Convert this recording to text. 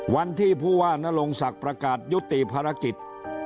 วันที่ผู้ว่านรงศักดิ์ประกาศยุติภารกิจ